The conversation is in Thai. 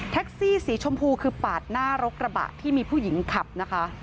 แท็กซี่สีชมพูคือปาดหน้ารถกระบะที่มีผู้หญิงเป็นคนขับ